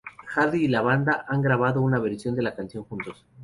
Hardy y la banda han grabado una versión de la canción juntos.